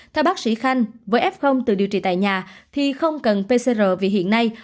theo bác sĩ khanh với f tự điều trị tại nhà thì không cần pcr vì hiện nay